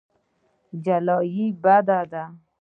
جلايي بد دی.